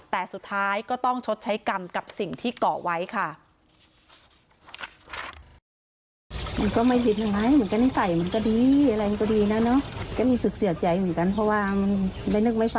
แต่สุดท้ายก็ต้องชดใช้กรรมกับสิ่งที่เกาะไว้ค่ะ